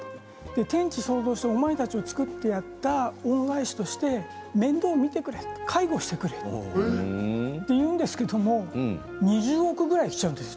天地創造してお前たちを作ってやった恩返しとして面倒を見てくれ、介護してくれと言うんですけれど２０億ぐらい来ちゃうんですよ